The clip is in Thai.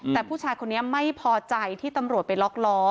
แต่ผู้ชายคนนี้ไม่พอใจที่ตำรวจไปล็อกล้อ